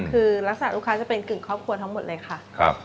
คือลักษณะลูกค้าจะเป็นกึ่งครอบครัวทั้งหมดเลยค่ะ